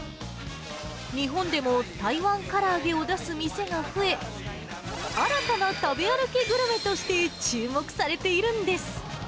日本でも台湾から揚げを出す店が増え、新たな食べ歩きグルメとして注目されているんです。